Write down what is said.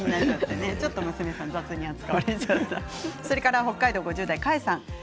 それから北海道５０代の方です。